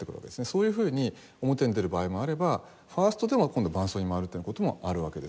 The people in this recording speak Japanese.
そういうふうに表に出る場合もあればファーストでも今度伴奏に回るというような事もあるわけです。